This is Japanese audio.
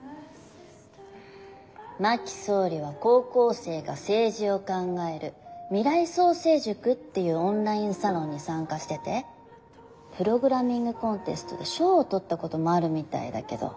真木総理は高校生が政治を考える未来創成塾っていうオンラインサロンに参加しててプログラミング・コンテストで賞を取ったこともあるみたいだけど。